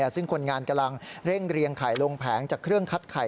ซึ่งคนงานกำลังเร่งเรียงไข่ลงแผงจากเครื่องคัดไข่